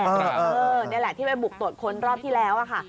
นี่แหละที่ไปบุกตรวจค้นรอบที่แล้วค่ะ